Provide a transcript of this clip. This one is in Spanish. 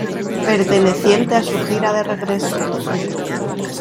Perteneciente a su gira de regreso.